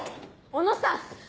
小野さん！